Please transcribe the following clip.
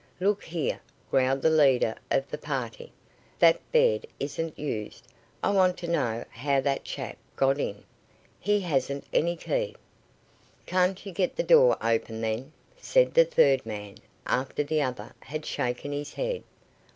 "Look here," growled the leader of the party, "that bed isn't used. I want to know how that chap got in. He hasn't any key." "Can't you get the door open, then?" said the third man, after the other had shaken his head.